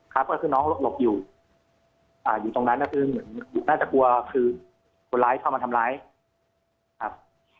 ครับก็คือน้องหลบอยู่อยู่ตรงนั้นก็คือเหมือนน่าจะกลัวคือคนร้ายเข้ามาทำร้ายครับ